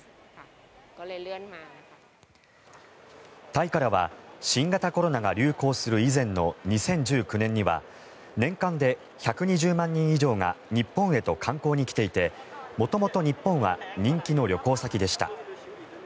タイからは新型コロナが流行する以前の２０１９年には年間で１２０万人以上が日本へと観光に来ていて元々、日本は人気の旅行先でした。